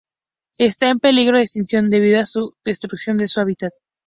Está en peligro de extinción debido a la destrucción de su hábitat.